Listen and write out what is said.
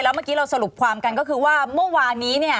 เมื่อกี้เราสรุปความกันก็คือว่าเมื่อวานนี้เนี่ย